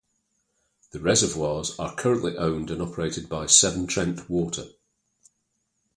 The reservoirs are currently owned and operated by Severn Trent Water.